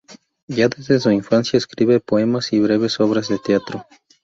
Ya desde su infancia escribe poemas y breves obras de teatro.